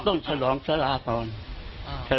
ของชาลองด้วยการเผาศพโยงหน้า